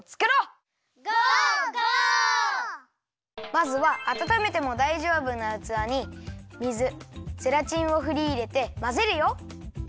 まずはあたためてもだいじょうぶなうつわに水ゼラチンをふりいれてまぜるよ。